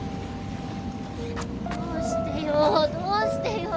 どうしてよ？